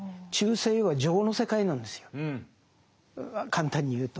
簡単に言うと。